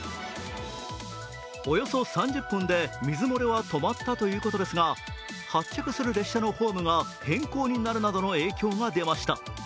およそ３０分で水漏れは止まったということですが発着する列車のホームが変更になるなどの影響が出ました。